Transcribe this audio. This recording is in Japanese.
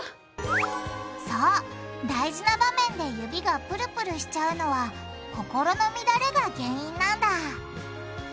大事な場面で指がプルプルしちゃうのは「心の乱れ」が原因なんだ